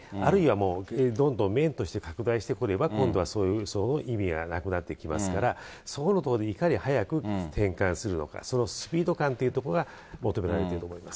もうどんどん面として拡大してくれば、今度はその意味はなくなってきますから、そこのところでいかに早く転換するのか、そのスピード感というところが求められていると思います。